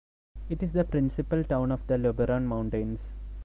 It is the principal town of the Luberon mountains.